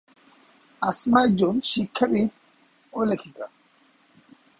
আসমা একজন শিক্ষাবিদ ও লেখিকা।